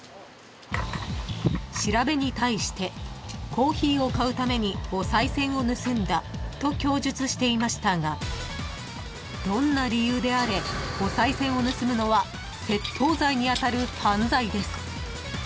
［調べに対してコーヒーを買うためにおさい銭を盗んだと供述していましたがどんな理由であれおさい銭を盗むのは窃盗罪に当たる犯罪です］